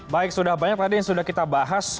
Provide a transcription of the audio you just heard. baik sudah banyak tadi yang sudah kita bahas